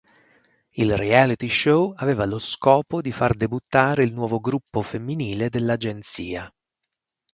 Il reality show aveva lo scopo di far debuttare il nuovo gruppo femminile dell'agenzia.